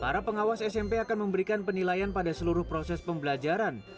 para pengawas smp akan memberikan penilaian pada seluruh proses pembelajaran